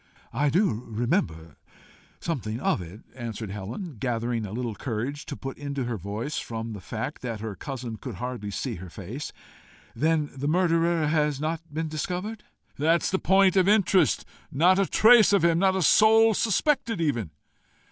"I do remember something of it," answered Helen, gathering a little courage to put into her voice from the fact that her cousin could hardly see her face. "Then the murderer has not been discovered?" "That is the point of interest. Not a trace of him! Not a soul suspected even!"